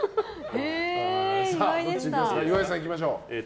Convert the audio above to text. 岩井さん、いきましょう。